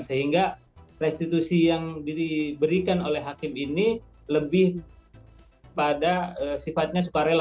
sehingga restitusi yang diberikan oleh hakim ini lebih pada sifatnya sukarela